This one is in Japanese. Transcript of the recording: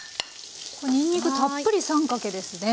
にんにくたっぷり３かけですね。